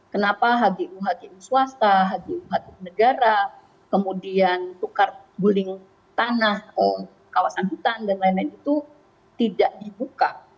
kenapa hgu hgu swasta hgu hti negara kemudian tukar guling tanah kawasan hutan dan lain lain itu tidak dibuka